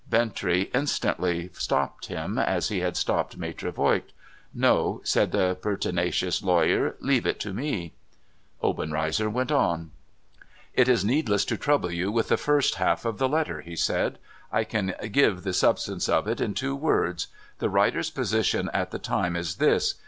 Bintrey instantly stopped him, as he had stopped Maitre Voigt. ' No,' said the pertinacious lawyer. ' Leave it to me.' Obenreizer went on :' It is needless to trouble you with the first half of the letter,' he said. ' I can give the substance of it in two words. The writer's position at the time is this.